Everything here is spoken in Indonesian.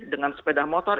dengan sepeda motor